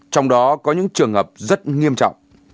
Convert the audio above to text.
trong đó có những trường hợp rất nghiêm trọng